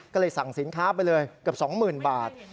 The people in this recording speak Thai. ก็เลยสั่งสินค้าไปเลยเกือบ๒๐๐๐บาท